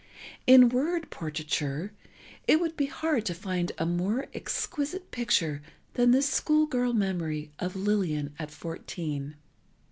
In word portraiture, it would be hard to find a more exquisite picture than this school girl memory of Lillian at fourteen.